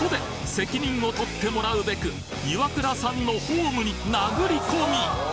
責任をとってもらうべくイワクラさんのホームに殴り込み！